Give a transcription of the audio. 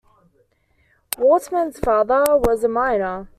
Wortmann's father was a miner.